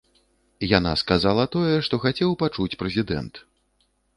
Яна сказала тое, што хацеў пачуць прэзідэнт.